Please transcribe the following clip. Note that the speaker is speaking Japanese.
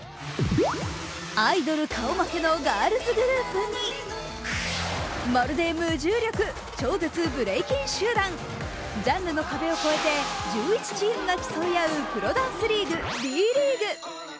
アイドル顔負けのガールズグループにまるで無重力、超絶ブレイキン集団ジャンルの壁を越えて１１チームが競い合う、プロダンスリーグ、Ｄ．ＬＥＡＧＵＥ。